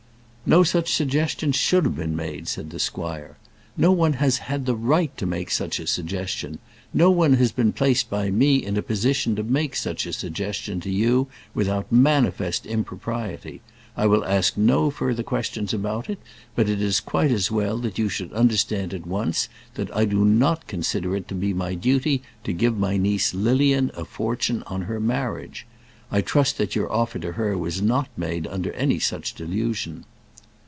"No such suggestion should have been made," said the squire. "No one has had a right to make such a suggestion. No one has been placed by me in a position to make such a suggestion to you without manifest impropriety. I will ask no further questions about it; but it is quite as well that you should understand at once that I do not consider it to be my duty to give my niece Lilian a fortune on her marriage. I trust that your offer to her was not made under any such delusion."